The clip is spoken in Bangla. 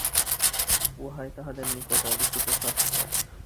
উহাই তাঁহাদের নিকট অলিখিত শাস্ত্র।